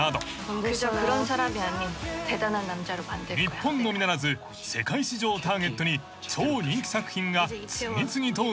［日本のみならず世界市場をターゲットに超人気作品が次々と生まれている］